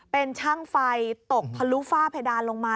เป็นช่างไฟตกทะลุฝ้าเพดานลงมา